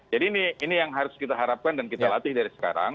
jadi ini yang harus kita harapkan dan kita latih dari sekarang